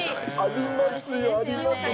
ありますよ、ありますよ。